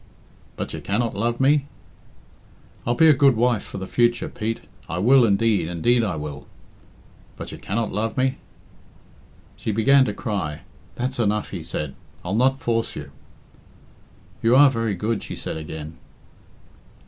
"But you cannot love me?" "I'll be a good wife for the future* Pete I will, indeed, indeed I will." "But you cannot love me?" She began to cry. "That's enough," he said. "I'll not force you." "You are very good," she said again.